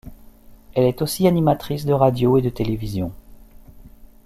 Elle est aussi animatrice de radio et de télévision.